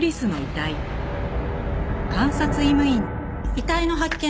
遺体の発見